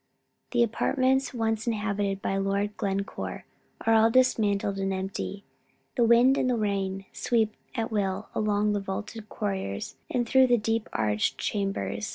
The apartments once inhabited by Lord Glencore are all dismantled and empty. The wind and the rain sweep at will along the vaulted corridors and through the deep arched chambers.